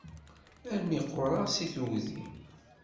Armi qqureɣ seg tugdi!